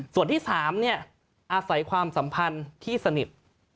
ส่วนที่สามเนี่ยอาศัยความสัมพันธ์ที่สนิท